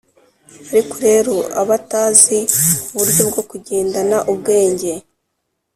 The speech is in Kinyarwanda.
ariko rero abatazi uburyo bwo kugendana ubwenge,